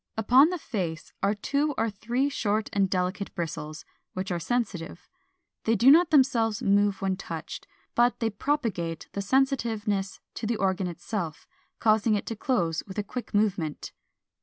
Upon the face are two or three short and delicate bristles, which are sensitive. They do not themselves move when touched, but they propagate the sensitiveness to the organ itself, causing it to close with a quick movement.